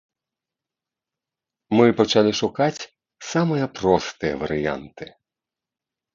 Мы пачалі шукаць самыя простыя варыянты.